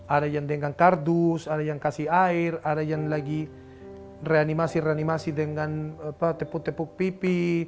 ada yang dengan kardus ada yang kasih air ada yang lagi reanimasi renimasi dengan tepuk tepuk pipi